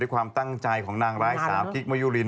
ความตั้งใจของนางร้ายสาวกิ๊กมะยุริน